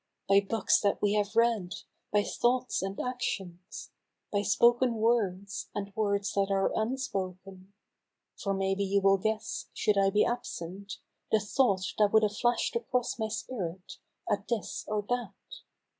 By books that we have read, by thoughts and actions, By spoken words, and words that are unspoken, {For maybe you will guess, should I be absent, Ah! Remember. 115 The thought that would have flashed across my spirit At this or that.)